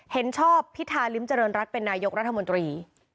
เห็นชอบพิธาริมเจริญรัฐเป็นนายกรัฐมนตรี